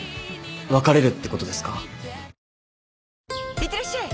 いってらっしゃい！